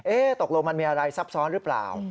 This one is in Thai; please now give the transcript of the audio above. ตกลงมันมีอะไรซับซ้อนหรือเปล่า